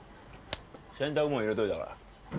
洗濯物入れといたから。